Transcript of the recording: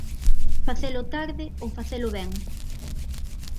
Facelo tarde ou facelo ben.